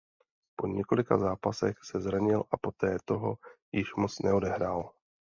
Po několika zápasech se zranil a poté toho již moc neodehrál.